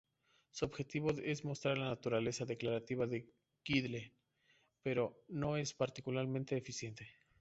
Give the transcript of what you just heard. Su objetivo es mostrar la naturaleza declarativa de Gödel, pero no es particularmente eficiente.